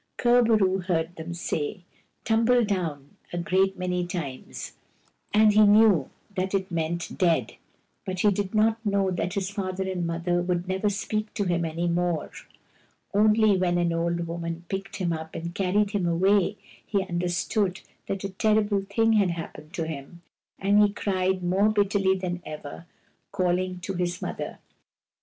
Kur bo roo heard them say " tum ble down " a great many times, and he knew that it meant " dead "; but he did not know that his father and mother would never speak to him any more. Only when an old woman picked him up and carried him away he understood that a terrible thing had happened to him, and he cried more bitterly than ever, calhng to his mother.